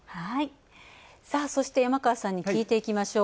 そして、山川さんに聞いていきましょう。